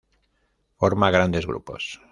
Forma grandes grupos.